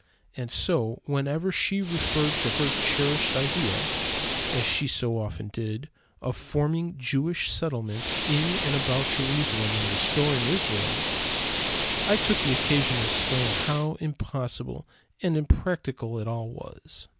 And so, whenever she referred to her cherished idea, as she so often did, of forming Jewish settlements in and about Jerusalem and restoring Israel, I took occasion to explain how impossible and impractical it all was.